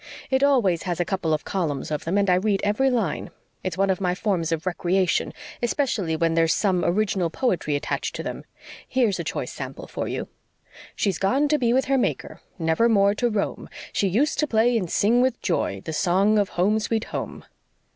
"It always has a couple of columns of them, and I read every line. It's one of my forms of recreation, especially when there's some original poetry attached to them. Here's a choice sample for you: She's gone to be with her Maker, Never more to roam. She used to play and sing with joy The song of Home, Sweet Home.